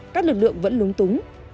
các lực lượng vẫn lúng túng